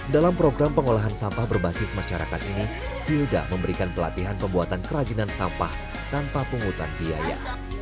dalam program pengolahan sampah berbasis masyarakat ini hilda memberikan pelatihan pembuatan kerajinan sampah tanpa pungutan biaya